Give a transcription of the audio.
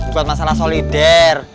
bukan masalah solidir